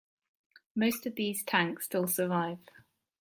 Most of these tanks still survive.